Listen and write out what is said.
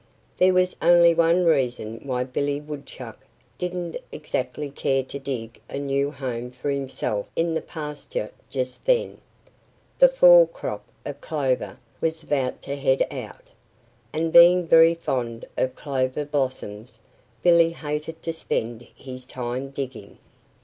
There was only one reason why Billy Woodchuck didn't exactly care to dig a new home for himself in the pasture just then. The fall crop of clover was about to head out. And being very fond of clover blossoms, Billy hated to spend his time digging.